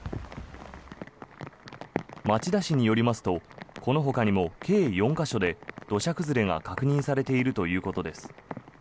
町田市によりますとこのほかにも計４か所で土砂崩れが確認されているということです。